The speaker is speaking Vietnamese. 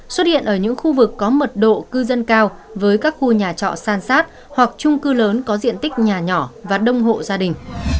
xuất hiện ở những khu vực có mật độ cư dân cao với các khu nhà trọ san sát hoặc trung cư lớn có diện tích nhà nhỏ và đông hộ gia đình